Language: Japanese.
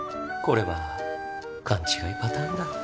これは勘違いパターンだ。